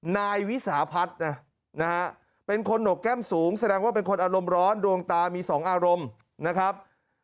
นายวิสาพัฒน์นะฮะเป็นคนหนกแก้มสูงแสดงว่าเป็นคนอารมณ์ร้อนดวงตามีสองอารมณ์นะครับ